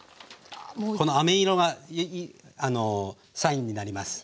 このあめ色がサインになります。